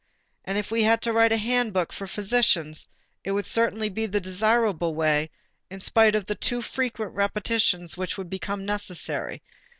And if we had to write a handbook for physicians, it would certainly be the desirable way, in spite of the too frequent repetitions which would become necessary.